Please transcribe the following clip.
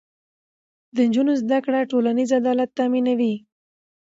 د نجونو زده کړه ټولنیز عدالت تامینوي.